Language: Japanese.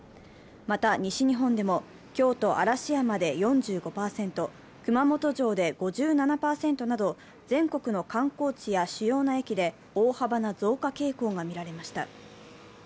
また、西日本でも京都・嵐山で４５％、熊本城で５７％など全国の観光地や主要な駅で大幅な増加傾向がみられました。